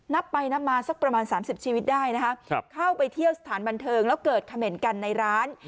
นับไปนับมาสักประมาณสามสิบชีวิตได้นะคะเข้าไปเที่ยวสถานบันเทิงแล้วเกิดเขม่นกันในร้าน